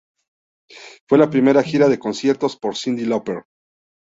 Fue la primera gira de conciertos por Cyndi Lauper.